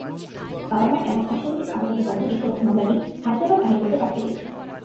বাবা-মার এমন অস্বাভাবিক আবেদনের কারণে বিচারক মামলাটি হায়দরাবাদ হাইকোর্টে পাঠিয়ে দিয়েছেন।